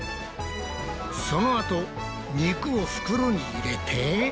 そのあと肉を袋に入れて。